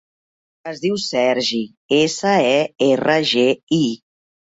Es diu Sergi: essa, e, erra, ge, i.